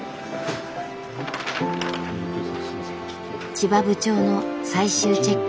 千葉部長の最終チェック。